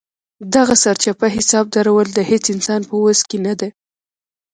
دغه سرچپه حساب درول د هېڅ انسان په وس کې نه ده.